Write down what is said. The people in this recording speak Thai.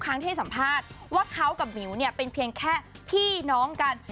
ครั้งที่ให้สัมภาษณ์ว่าเขากับหมิวเนี่ยเป็นเพียงแค่พี่น้องกัน